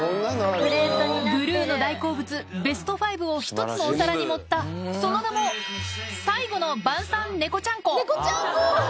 ブルーの大好物ベスト５を１つのお皿に盛った、その名も、最後の晩餐猫ちゃんこ。